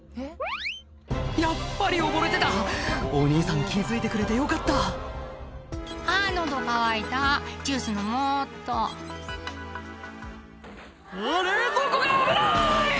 やっぱり溺れてたお兄さん気付いてくれてよかった「あぁ喉渇いたジュース飲もうっと」あっ冷蔵庫が危ない！